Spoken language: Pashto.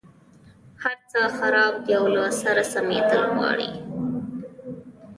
هرڅه خراب دي او له سره سمېدل غواړي.